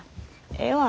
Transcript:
ええわ。